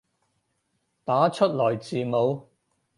打出來字母